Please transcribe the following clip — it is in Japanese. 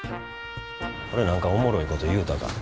俺何かおもろいこと言うたか？